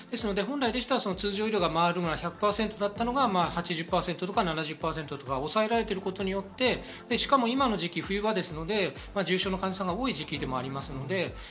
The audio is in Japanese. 本来でしたら通常医療がまわるのが１００％だったのが８０％とか７０％とかに抑えられていることによってしかも今の時期、冬場なので重症の患者さんが多い時期です。